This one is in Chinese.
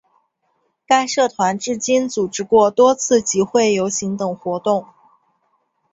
该社团至今组织过多次集会游行等活动。